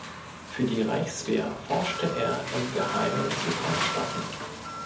Für die Reichswehr forschte er im Geheimen zu Kampfstoffen.